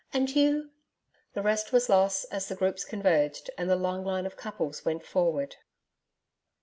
And you....' The rest was lost, as the groups converged and the long line of couples went forward.